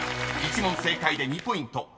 ［１問正解で２ポイント。